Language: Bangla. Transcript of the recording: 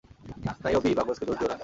নাইয়োবি, বাগসকে দোষ দিয়ো না।